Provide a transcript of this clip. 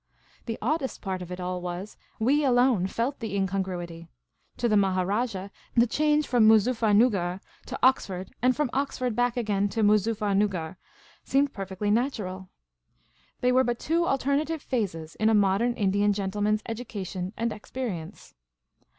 The oddest part of it all was, we alone felt the incongruity ; to the Maharajah, the change from Moozuffernuggar to Oxford and from Oxford back again to Moozuffernuggar seemed perfectly natural. They were but two alternative phases in a modern Indian gentleman's education and experience.